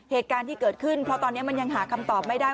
เหตุการณ์ที่เกิดขึ้นเพราะตอนนี้มันยังหาคำตอบไม่ได้